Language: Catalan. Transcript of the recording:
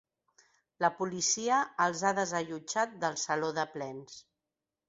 La policia els ha desallotjat del saló de plens.